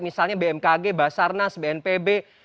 misalnya bmkg basarnas bnpb